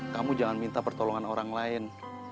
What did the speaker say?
kamu jangan minta pertolongan orang lain